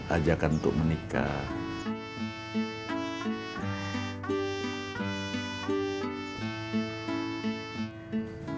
ajakan untuk menikah